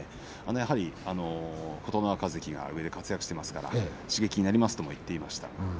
やはり琴ノ若関が上で活躍していますから刺激になりますというふうに話していました。